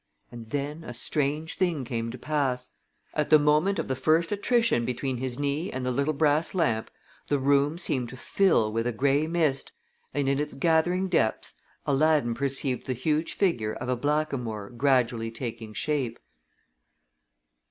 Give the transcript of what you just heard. And then a strange thing came to pass. At the moment of the first attrition between his knee and the little brass lamp the room seemed to fill with a gray mist and in its gathering depths Aladdin perceived the huge figure of a blackamoor gradually taking shape.